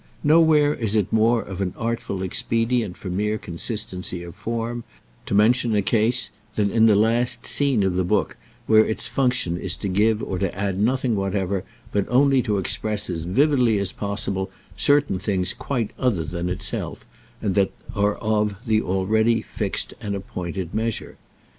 Nowhere is it more of an artful expedient for mere consistency of form, to mention a case, than in the last "scene" of the book, where its function is to give or to add nothing whatever, but only to express as vividly as possible certain things quite other than itself and that are of the already fixed and appointed measure.